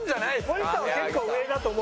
森田は結構上だと思う。